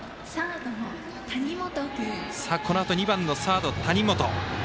このあと２番のサード谷本。